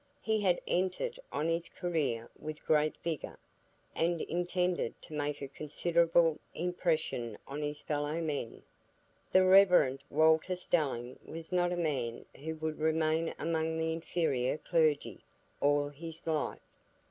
He had entered on his career with great vigor, and intended to make a considerable impression on his fellow men. The Rev. Walter Stelling was not a man who would remain among the "inferior clergy" all his life.